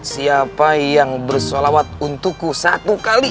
siapa yang bersolawat untukku satu kali